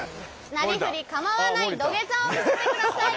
・なりふり構わない土下座を見せてください